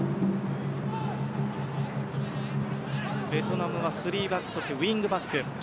ベトナムは３バックそしてウィングバック。